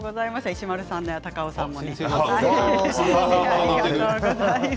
石丸さんや高尾さんも。